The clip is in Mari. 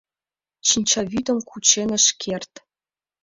Шинчавӱдым кучен ыш керт.